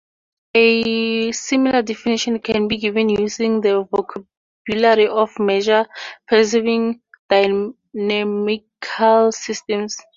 A similar definition can be given using the vocabulary of measure-preserving dynamical systems.